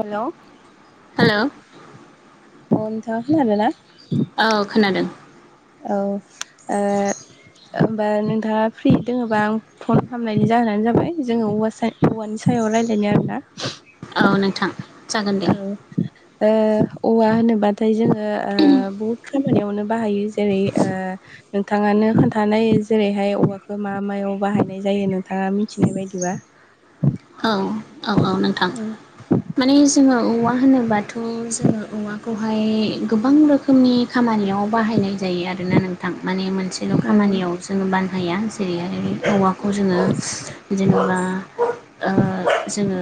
हेल' अ हेलौ नोंथाङ खोनादों ना औ खोनादों औ होमबा नोंथाङा फ्रि दङबा आं फन खालामनायनि जाहोनानो जाबाय जोङो औव स औवानि सायाव रायजलायनो आरोना औ नोंथां जागोन दे औवा होनोबाथाय जोङो बहुद खामानियावनो बाहायो जेरै आ नोंथाङानो खोन्थानाय जेरैहाय औवाखौ मा मायाव बाहायनाय जायो नोंथाङा मिथिनाय बायदिबा औ औ औ नोंथां माने जोङो औवा होनोबा थ' जोङो औवाखौहाय गोबां रोखोमनि खामानियाव बाहायनाय जायो आरोना नोंथां माने मोनसेल' औ खामानियाव जोङो बान हाया जेरै आरो बे औवा खौ जोङो जेनेबा जोङो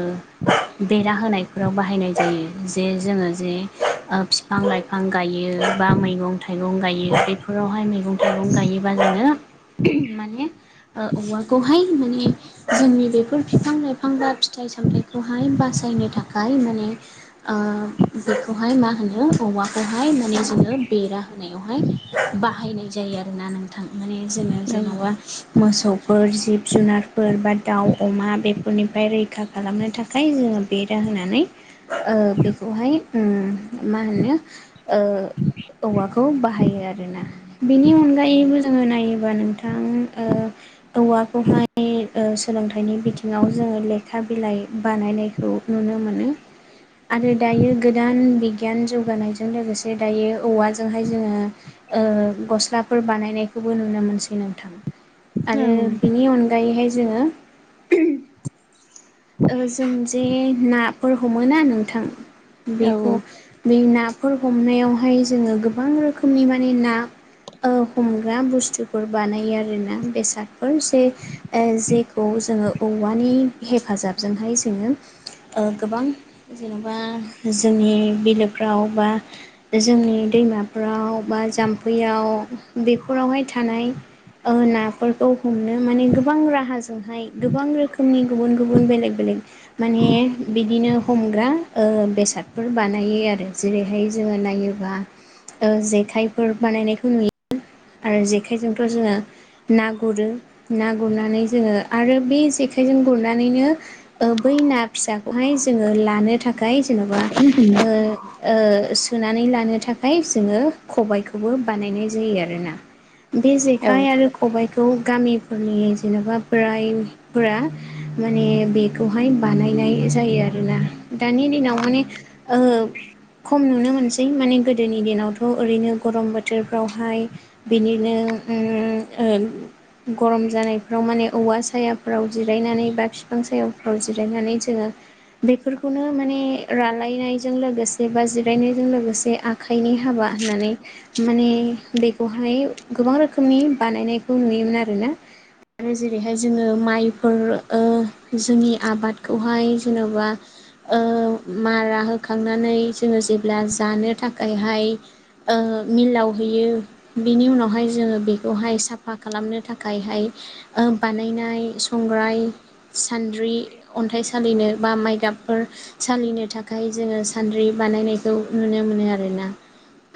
बेरा होनायफोराव बाहायनाय जायो जे जोङो जे बिफां लाइफां गायो बा मैगं थाइगं गायो बेफोरावहाय मैगं थाइगं गायोबा जोङो माने औवाखौहाय माने जोंनि बेफोर बिफां लाइफां बा फिथाइ सामथायाइखौहाय बासायनो थाखाय माने बेखौहाय मा होनो औमाखौहाय माने जोङो बेरा होनायावहाय बाहायनाय जायो आरोना नोंथां माने जोङो औ जेन'बा मोसौफोर जिब जुनारफोर बा दाउ अमा बेफोरनिफ्राय रैखा खालामनो थाखाय जोङो बेरा होनोनानै बेखौहाय मा होनो औवाखौ बाहायो आरोना बेनि अनगायैबो जोङो नायोबा नोंथां औवाखौहाय सोलोंथाइनि बिथिं व जोङो लेखा बिलाइ बानायनायखौ नुनो मोनो आरो दायो गोदान बिगियान जौगानायजों लोगोसे दायो औवाजोंहाय जोङो गस्लाफोर बानायनायखौबो नुनो मोनसै नोंथां औ आरो बिनि अनगायैहाय जोङो जों जे नाफोर हमोा नोंथां औ बेखौ बे नाफोर हमनायावहाय जोङो गोबां रोखोमनि माने ना हमग्रा बुस्थुफोर बानायो आरोना बेसादफोर जे जेखौ जोङो औवानि हेफाजाबजोंहाय जोङो गोबां जेन'बा जोंनि बिलोफ्राव बा जोंनि दैमाफोराव बा जाम्फैयाव बेफोरावहाय थानाय नाफोरखौ हमनो माने गोबां राहाजोंहाय गोबां रोखोमनि गुबुन गुबुन बेलेग बेलेग माने बिदिनो हमग्रा बेसादफोर बानायो आरो जेरैहाय जोङो नायोबा जेखाइफोर बानायनायखौ नुयो आरो जेखायजोंथ' जोङो ना गुरो ना गुरनानै जोङो आरो बे जेखाइजों गुरनानैनो ओ बै ना फिसाखौहाय जोङो लानो थाखाय जेन'बा ओ ओ सोनानै लानो थाखाय जोङो खबायखौबो बानायनाय जायो आरोना [unintelligible] बे जेखाइ आरो खबाइखौ गामिफोरनि जेनेबा बोरायफोरा माने बे खौहाय बानायनाय जायो आरोना दानि दिनाव माने ओ खम नुनो मोनसै माने गोदोनि दिनावथ' ओरैनो गरम बोथोरफ्रावहाय बिनिनो गरम जानायफ्राव माने औवा सायाफोराव जिरायनानै बा बिफां सायाव अ जिरायनानै जोंङो बेफोरखौनो माने रालायनायजों लोगोसे बा जिरायनायजों लोगोसे आ आखाइनि हाबा होननानै माने बेखौहाय गोबां रोखोमनि बानायनायखौ नुयोमोन आरोना आरो जेरैहाय जोङो माइफोर ओ जोंनि आबादखौहाय जेन'बा ओ मारा होखांनानै जोङो जेब्ला जानो थाखायहाय ओ मिलाव हैयो बिनि उनावहाय जोङो बेखौहाय साफा खालामनो थाखायहाय ओ बानायनाय संग्राय सान्द्रि अन्थाइ सालिनो बा माइ गाबफोर सालिनो थाखाय जोङो सान्द्रि बानायनायखौ नुनो मोनो आरोना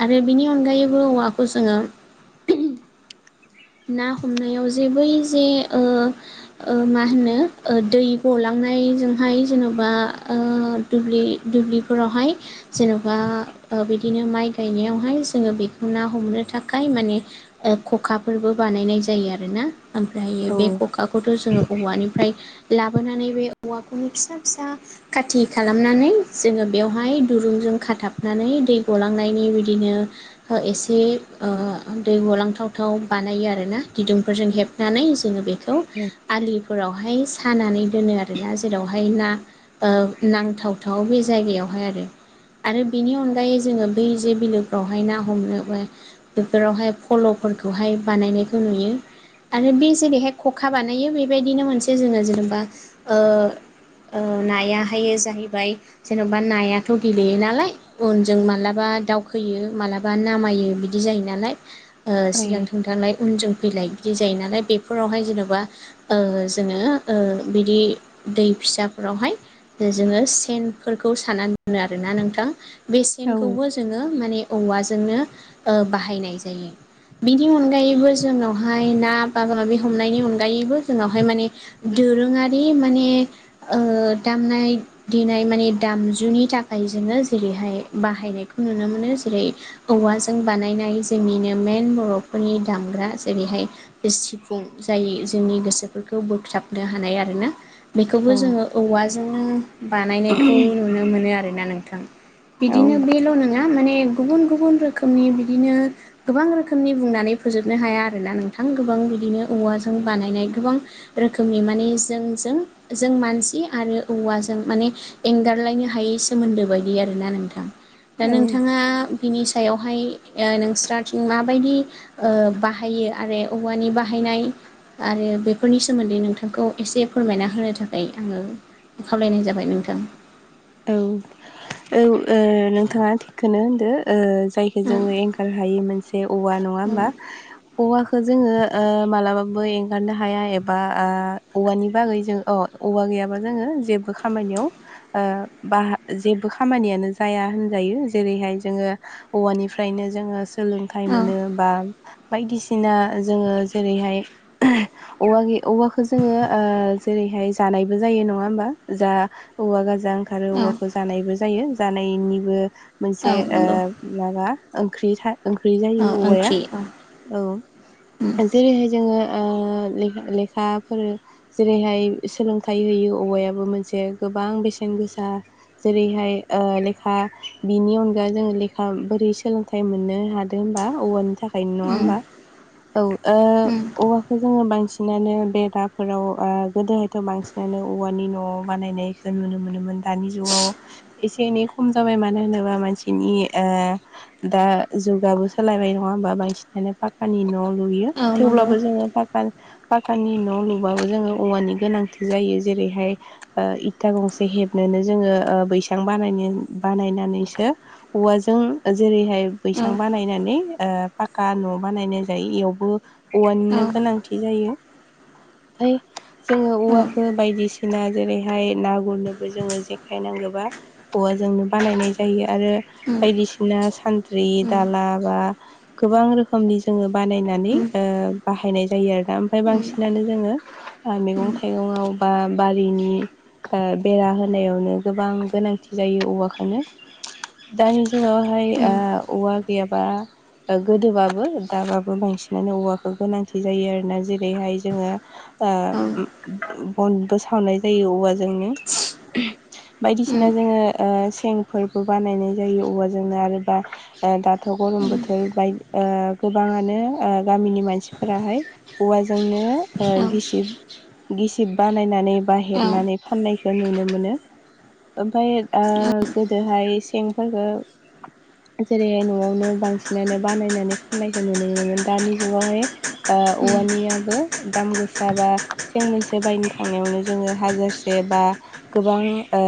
आरो बिनि अनगायैबो औवाखौ जोङो ना हमनायाव जे बै जे ओ ओ मा होनो दै गलांनायजोंहाय जेन'बा ओ दुब्लि-दुब्लिफोरावहाय जेन'बा ओ बिदिनो माइ गायनायावहाय जोङो बेखौ ना हमनो थाखाय माने ओ खखाफोरबो बानायनाय जायो आरोना ओमफ्र बे खखा खखाखौथ' जोङो औवानिफ्राय लाबोनानै बे औवाखौनो फिसा-फिसा खाथि खालामनानै जोङो बेवहाय दुरुंजों खाथाबनानै दै गलांनायनि बिदिनो एसे ओ दै गलांथाव-थाव बानायो आरो ना गिदुंफोरजों हेबनानै जोङो बे उम आलिफोरावहाय सानानै दोनो आरोना जेरावहाय ना ओ नांथावथाव बे जायगायावहाय आरो। आरो बेनि अनगायै जोङो बै जे बिलोफ्रावहाय ना हमनोबो बेफोरावहाय फल'फोरखौहाय बानायनायखौ नुयो। आरो बे जेरैहाय खखा बानायो बेबायदिनो मोनसे जोङो जेनेबा ओ ओ नायाहाय जाहैबाय जेन'बा नायाथ' गेलेयो नालाय उनजों मालाबा दावखोयो मालाबा नामायो बिदि जायो नालाय ओ सिगांथ थांलाय उनजों फैलाय बिदि जायो नालाय बेफोरावहाय जेन'बा ओ जोङो ओ बिदि दै फिसाफोरावहाय जोङो सेनफोरखौ साननानै दोनो आरोना नोंथां बेसेनखौबो जोङो माने औवाजोंनो ओ बाहायनाय जायो नि अनगायैबो जोंनावहाय ना माबा माबि हमनायनि अनगायैबो जोंनावहाय माने दोरोङारि माने ओ दामनाय देनाय माने दामजुनि थाखाय जोङो जेरैहाय बाहायनायखौ नुनो मोनो जेरै औवाजों बानायनाय जोंनिनो मेन बर'फोरनि दामग्रा जेरैहाय बे सिफुं जाय जोंनि गोसोफोरखौ बोख्लाबनो हानाय आरोना। बेखौबो औ जोङो औवाजों बानायनायखौ नुनो मोनो आरोना नोंथां। बिदिनो बेल' नङा माने गुबुन गुबुन रोखोमनि बिदिनो गोबां रोखोमनि बुंनानै फोजोबनो हाया आरोना नोंथां गोबां बिदिनो औवाजों बानायनाय गोबां रोखोमनि माने जोंजों-जों मानसि आरो औवाजों माने एंगारलायनो हायै सोमोन्दो बायदि आरोना नोंथां। दा औ नोंथाङा बिनि सायावहाय ओ नोंस्राथिं माबायदि ओ बाहायो आरो औवानि बाहायनाय आरो बेफोरनि सोमोन्दै नोंथांखौ एसे फोरमायना होनो थाखाय आङो खावलायनाय जाबाय नोंथां औ औ नोंथाङा थिखौनो होनदो जायखौ ओ जोङो एंखार हायि मोनसे औवा नङा होमबा औवाखौ जोङो मालाबाबो एंगारनो हाया एबा औवानि बागै जों औवा गैयाबा जोङो जेबो खामानियाव ओ बा जेबो खामानियानो जाया होनजायो जेरैहाय जोङो औवानिफ्रायनो जोङो सोलोंथाइ ओ मोनो बा बायदिसिना जोङो जेरैहाय [inaudible] औवा [unintelligible] औवाखो जोङो ओ जेरैहाय जानायबो जायो नङा होमबा जा औवा गा जा ओंखारो औ औवाखो जानायबो जायो जानायनिबो मोनसे औ ओ नंगौ माबा ओंख्रि [unintelligible] ओंख्रि औ जायो औवाया ओंख्रि औ औ उम जेरैहाय जोङो ओ ले-लेखाफोर जेरैहाय सोलोंथाइ होयो औवायाबो मोनसे गोबां बेसेन गोसा जेरैहाय ओ लेखा बिनि अनगा जोंङो लेखा बोरै सोलों थाय मोननो हादों बा औवानि था खायनो नङा उम होमबा औ ओ उम औवाखौ जोङो बांसि नानो बेदाफोराव गोदोहायथ' बांसिनानो औवानि न'आव बानायनायखौ नुनो [unintelligible] मोनोमोन दानि जुगाव एसे एनै खम जाबाय मानो होनोबा मानसिनि ओ दा जुगाबो सोलायबाय नङा होमबा बांसिनानो पाख्खानि न' लुयो औ नंगौ थेवब्लाबो जोङो पा पाक्कानि न' लुबाबो जोङो औवानि गोनांथि जायो जेरैहाय ओ इथा गंसे हेबनोनो जोङो ओ बैसां बानाय बानायनानैसो उवाजों जेरैहाय औ बैसां बानायनानै ओ पाख्खा न' बानायनाय जायो इयावबो औ औवानिनो गोनां [unintelligible] जायो ओमफाय जोङो औ औवाखौ उम बायदिसिना [unintelligible] जेरैहाय ना गुरनो जोङो जेखाय नांगोबा औवाजोंनो बानायनाय जायो आरो उम बायदिसिना सानद्रि उम दाला बा गोबां रोखोमनि जोङो बानायनानै ओ बाहायनाय जायो आरोना ओमफाय उम बांसिनानो जोङो ओ मेगं थाइगङाव बा बारिनि ओ बेरा होनायावनो गोबां गोनांथि जायो औवाखोनो दानि जुगावहाय उम ओ औवा गैयाबा ओ गोदोबाबो दाबाबो बांसिनानो औवाखो गोनांथि जायो आरोना जेरैहाय जोङो ओ औ बनबो सावनाय जायो औवाजोंनो उम बायदिसिना जोङो ओ सेंफोरबो बानायनाय जायो औवाजोंनो आरोबा ओ दाथ' गरम बोथोर बाय ओ गोबाङानो ओ गामिनि मानसिफोराहाय औवाजोंनो ओ औ गिसिब गिसिब बानायनानै बा औ हेबनानै फाननाय खौ नुनो मोनो ओमफाय ओ औ गोदोहाय सेंफोरखौ जेरैहाय न'आवनो बांसिनानो बानायनानै फाननायखौ नुनो मोनोमोन दानि जुगावहाय ओ उम औवानियाबो दाम गोसा बा सें मोनसे बायनो थांनायावनो जोङो हाजारसे बा गोबां ओ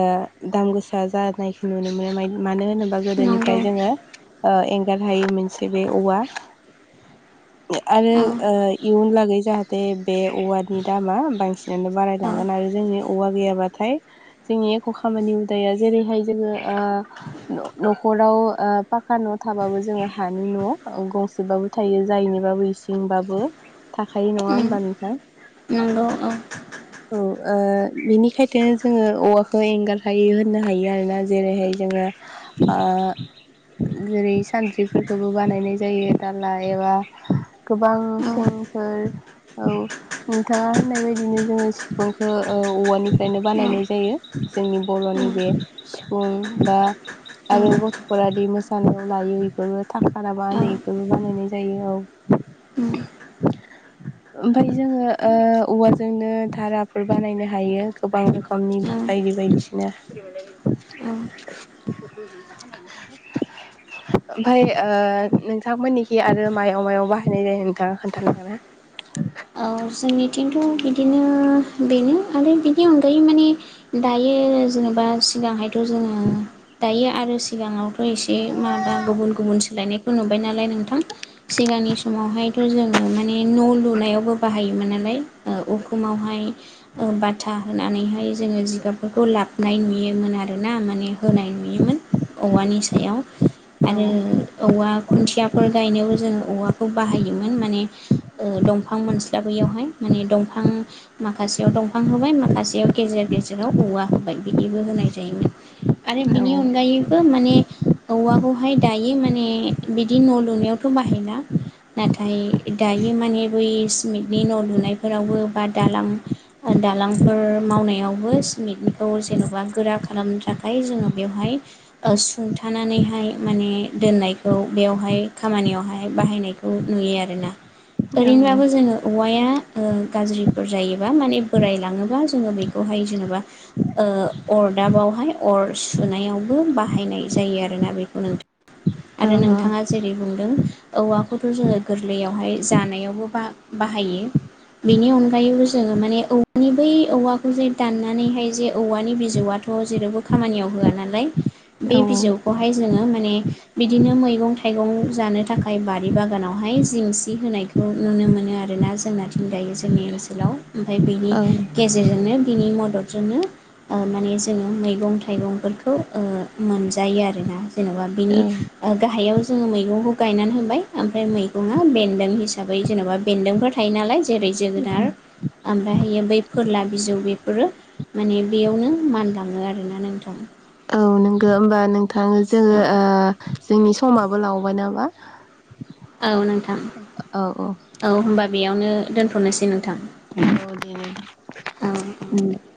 दाम गोसा जानायखौ नुनो मोनो मानो होनोबा नंगौ गोदोनिफ्राय जोङो ओ एंगार हायै मोनसे बे औवा आरो औ ओ इयुनलागै जाहाथे बे औवानि दामा बांसिन [unintelligible] औ बारायलांगोन आरो जोंनि औवा गैयाबा नाथाय जोंनि एख' खामानि हुदाया जेरैहाय जोङो ओ न'खराव ओ पाक्का न' थाबाबो जोङो हानि न' गंसेबाबो थायो जायनिबाबो इसिंबाबो थाखायो नङा उम होमबा नोंथां? नंगौ औ। औ ओ बिनिखाय बिदिनो जोङो औवाखो एंगारहायै होननो हायो आरोना जेरैहाय जोङो ओ जेरै सानद्रिफोरखोबो बानायनाय जायो दाला एबा गोबां औ सेंफोर औ नोंथाङा होननाय बायदिनो जोङो सिफुंखो ओ औवानि नायनो औ बानायनाय जायो जोंनि बर'नि बे सिफुं बा आरो गथ'फोराद मोसानायाव लायो इफोरबो थाखा नामा होनो इफोरबोखौ बानायनाय जायो उम औ। ओमफ्राय जोङो ओ औवाजोंनो धाराफोर बानायनो हायो। गोबां रोखोमनि बायदि बायदिसिना। औ [unintelligible] ओमफफ्राय नोंथांमोननिखि आरो मायाव मायाव बाहायनाय जायो नोंथाङा खोनथानो हागोन ना? [inaudible] औ जोंनिथिंथ' बिदिनो बेनो आरो बिनि अनगायै माने दायो जेनेबा सिगांहायथ' जोङो दायो आरो सिगाङावथ' एसे माबा गुबुन गुबुन सोलायनायखौ नुबाय नालाय नोंथां। सिगांनि समावहायथ' जोङो माने न' लुनायाव बो बाहायोमोन नालाय उखुमावहाय बाथा होनानैहाय जोङो जिगाबफोरखौ लाबनाय नुयोमोन आर ना माने होनाय नुयोमोन औवानि सायाव औ आरो औवा खुन्थियाफोर गायनायावबो जों औवाखौ बाहायोमोन माने दंफां दंफां मोनस्लाबैयावहाय माने दंफां माखासेयाव दंफां होबाय माखासेयाव गेजेर गेजेराव औवा होबाय बिदिबो होनाय जायोमोन। आरो औ बिनि अनगायैबो माने औवाखौहाय दायो माने बिदि न' लुनायाव बे बाहायना नाथाय दायो माने बै सिमेटनि न' लुनायफोरावबो बा दालां दालांफोर मावनायावबो सिमेन्टनिखौ जेन'बा गोरा खालामनो थाखाय जोङो बेवहाय सुंथानानैहाय माने दोननायखौ बेयावहाय खामानियावहाय बाहायनाय नुयो आरोना औ ओरैनोबाबो जोङो औवाया ओ गाज्रि बा जायोबा माने बोराय लाङोबा जोङो बेखौहाय जेनेबा ओ अरदाबावहाय अर सुनायावबो बाहायनाय जायो आरोना बेखौ नोंथां। आरो नोंथाङा जेरै बुंदों औवाखौथ' जोङो गोरलैयावहाय जा नायावबो बाहायो बेनि अनगायैबो जों माने मानि बै औवाखौ जे दाननानैहाय जे औवानि बिजौआथ' थ' जेरावबो खामानियाव होआ नालाय औ बे बिजौखौहाय जोङो माने बिदिनो मैगं थाइगं जानो थाखाय बारि बागानावहाय जिंसि होनाय खौ नुनो मोनो आरोना जोंनाथिं दायो जोंनि ओनसोलाव। ओमफफ्राय बेनि औ गेजेरजोंनो बिनि मदद जोंनो माने जोङो मैगं थाइगंफोरखौ मोनजायो आरोना। जेनेबा औ बिनि गाहायाव जोङो मैगंखौ गायनानै होबाय ओमफ्राय मैगंङा बेन्दों हिसाब हिसाबै जेन'बा बेन्दोंफोर थायो नालाय जेरै जोगोनार, ओमफ्रायहायो बै फोरला बिजौ बेफोरो माने बेयावनो मानलाङो आरोना नोंथां। औ नोंगौ होमबा नोंथाङो जोङो ओ जोंनि समाबो लावबाय नङा होनबा औ नोंथां। औ औ होनबा बेयावनो दोनथ'नोसै नोंथां। औ औ औ दे।